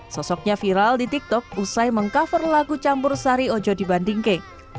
sosoknya viral di tiktok usai meng cover lagu campur sari ojo di bandingke